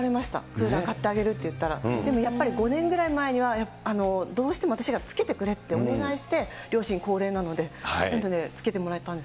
クーラー買ってあげるって言ったら、やっぱり５年ぐらい前には、どうしても私がつけてくれってお願いして、両親、高齢なので、ということですね。